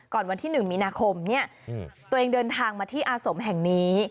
วันที่๑มีนาคมตัวเองเดินทางมาที่อาสมแห่งนี้